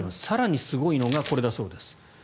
更にすごいのがこれだそうです。